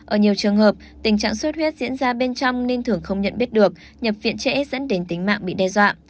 ở nhiều trường hợp tình trạng sốt huyết diễn ra bên trong nên thường không nhận biết được nhập viện trễ dẫn đến tính mạng bị đe dọa